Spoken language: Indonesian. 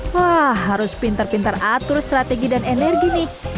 wah harus pintar pintar atur strategi dan energi nih